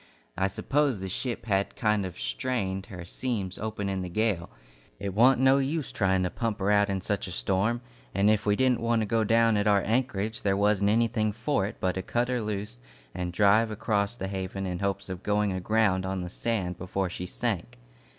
I suppose the ship had kind of strained her seams open in the gale. It want no use trying to pump her out in such a storm, and if we didn't want to go down at our anchorage, there wasn't anything for it but to cut her loose and drive across the Haven in hopes of going aground on the sand before she sank.